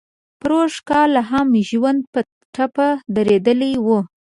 پروسږ کال هم ژوند په ټپه درولی و.